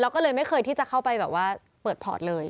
แล้วก็เลยไม่เคยที่จะเข้าไปแบบว่าเปิดพอร์ตเลย